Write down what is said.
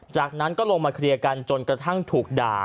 จากนั้นก็ลงมาเคลียร์กันจนกระทั่งถูกด่า